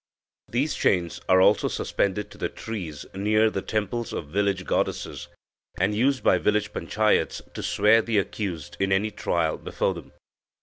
These chains are also suspended to the trees near the temples of village goddesses, and used by village panchayats to swear the accused in any trial before them."